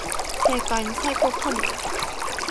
政界の最高幹部のこと。